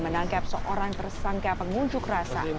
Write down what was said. menangkap seorang tersangka pengunjuk rasa